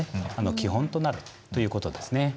基本となるということですね。